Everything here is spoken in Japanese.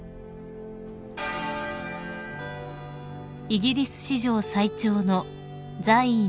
［イギリス史上最長の在位